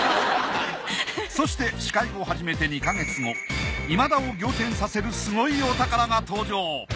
そして司会を始めて２か月後今田を仰天させるすごいお宝が登場。